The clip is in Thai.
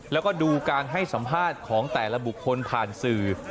แล้วก็ดูการให้สัมภาษณ์ของแต่ละบุคคลผ่านสื่อ